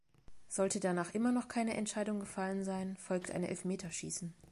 Sollte danach immer noch keine Entscheidung gefallen sein, folgt ein Elfmeterschießen.